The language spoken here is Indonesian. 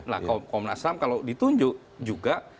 nah komnas ham kalau ditunjuk juga